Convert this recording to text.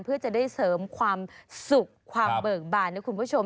เพื่อจะได้เสริมความสุขความเบิกบานนะคุณผู้ชม